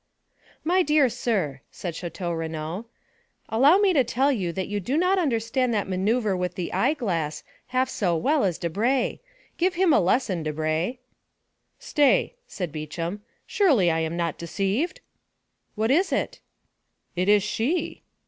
"My dear sir," said Château Renaud, "allow me to tell you that you do not understand that manœuvre with the eye glass half so well as Debray. Give him a lesson, Debray." "Stay," said Beauchamp, "surely I am not deceived." "What is it?" "It is she!"